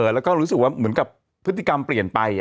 แล้วก็รู้สึกว่าเหมือนกับพฤติกรรมเปลี่ยนไป